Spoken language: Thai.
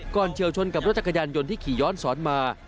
เฉียวชนกับรถจักรยานยนต์ที่ขี่ย้อนสอนมา